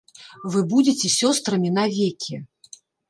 Вы будзеце сёстрамi навекi.